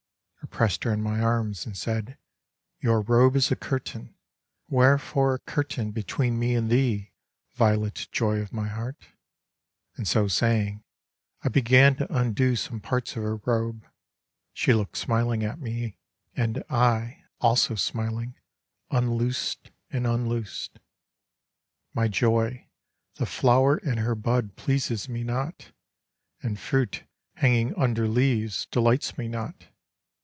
I pressed her in my arms, and said :" Your robe is a curtain. Wherefore a curtain between me and thee, violet joy of my heart ?" And so saying, I began to undo some parts of her robe. She looked smiling at me and I, also smiling, unloosed and unloosed. " My joy, the flower in her bud pleases me not : And fruit hanging under leaves delights me not.